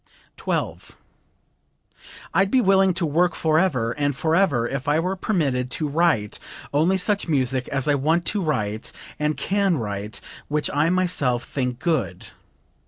12. "I'd be willing to work forever and forever if I were permitted to write only such music as I want to write and can write which I myself think good.